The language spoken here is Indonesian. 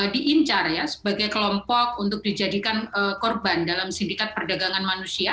diincar ya sebagai kelompok untuk dijadikan korban dalam sindikat perdagangan manusia